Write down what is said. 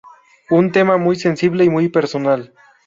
Un tema muy sensible y muy personal.